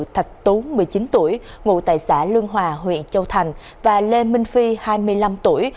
thạch tú một mươi chín tuổi ngụ tại xã lương hòa huyện châu thành và lê minh phi hai mươi năm tuổi